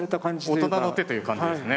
大人の手という感じですね。